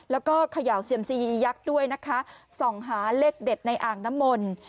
แล้วก็เขย่าเซียมซียียักษ์ด้วยนะคะส่องหาเลขเด็ดในอ่างน้ำมนต์